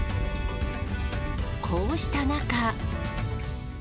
こうした中。